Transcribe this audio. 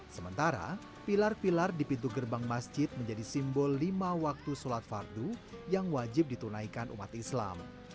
sementara pilar pilar di pintu gerbang masjid menjadi simbol lima waktu sholat fardu yang wajib ditunaikan umat islam